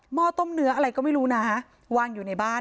้อต้มเนื้ออะไรก็ไม่รู้นะวางอยู่ในบ้าน